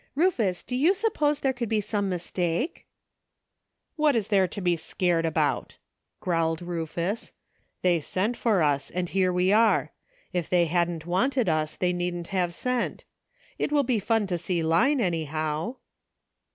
Rufus, do you suppose there could be some mistake ?" "What is there to be scared about?" growled Rufus. "They sent for us, and here we are; 278 ENTERTAINING COMPANY. if they hadn't wanted us they needn't have sent. It will be fun to see Line, anyhow."